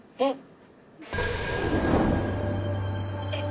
えっ。